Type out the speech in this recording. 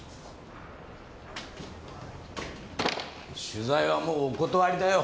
取材はもうお断りだよ。